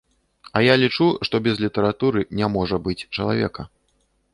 А я лічу, што без літаратуры не можа быць чалавека.